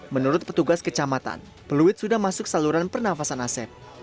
menurut petugas kecamatan peluit sudah masuk saluran pernafasan asep